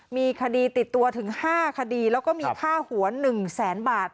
มีคดีติดตัวถึง๕คดีแล้วก็มีค่าหัว๑แสนบาท